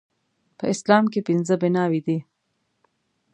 په اسلام کې پنځه بناوې دي